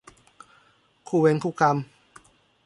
คู่เวรคู่กรรม